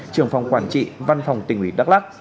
trưởng phòng quản trị văn phòng tỉnh ủy đắk lắc